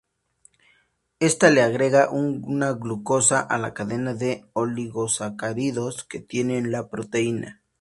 Esta le agrega una glucosa a la cadena de oligosacáridos que tiene la proteína.